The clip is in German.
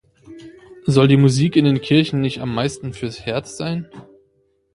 Soll die Musik in den Kirchen nicht am meisten fürs Herz seyn?